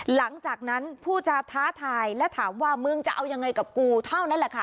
หลังจากนั้นผู้จาท้าทายและถามว่ามึงจะเอายังไงกับกูเท่านั้นแหละค่ะ